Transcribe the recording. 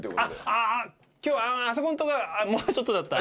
あっ今日あそこんとこもうちょっとだった。